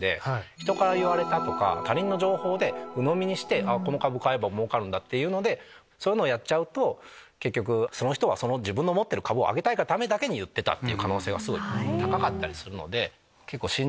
人から言われたとか他人の情報うのみにしてこの株買えばもうかるんだってやっちゃうと結局その人は自分の持ってる株を上げたいがためだけに言ってたって可能性がすごい高かったりするので。